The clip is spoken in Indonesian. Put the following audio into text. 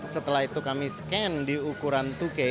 setelah itu kami scan di ukuran dua k